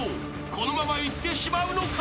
［このままいってしまうのか？］